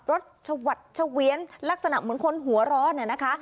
รถชวัดเฉวียนลักษณะเหมือนคนหัวร้อนนะคะ